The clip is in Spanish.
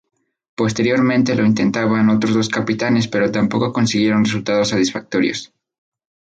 Posteriormente lo intentaban otros dos capitanes pero tampoco consiguieron resultados satisfactorios.